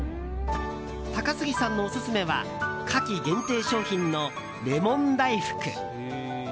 高杉さんのオススメは夏季限定商品のれもん大福。